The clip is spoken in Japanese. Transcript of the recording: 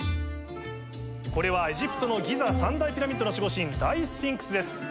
これはエジプトのギザ三大ピラミッドの守護神大スフィンクスです。